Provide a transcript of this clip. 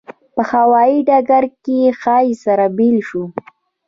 په هوایي ډګر کې ښایي سره بېل شو.